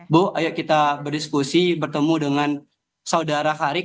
bu ayo kita berdiskusi bertemu dengan saudara harik